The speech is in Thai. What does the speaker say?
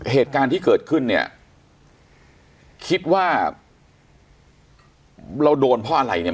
เหตุการณ์ที่เกิดขึ้นเนี่ยคิดว่าเราโดนเพราะอะไรเนี่ย